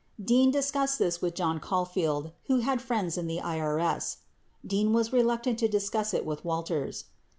57 Dean discussed this with John Caulfield, who had friends in the IBS. (Dean was reluctant to discuss it with Walters.)